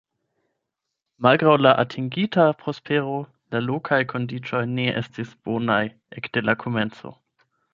Malgraŭ la atingita prospero, la lokaj kondiĉoj ne estis bonaj ekde la komenco.